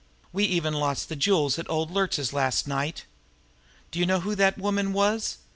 We even lost the jewels at old Luertz's last night. Do you know who that woman was?